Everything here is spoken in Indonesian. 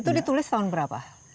itu ditulis tahun berapa